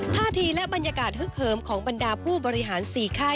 ท่าทีและบรรยากาศฮึกเหิมของบรรดาผู้บริหาร๔ค่าย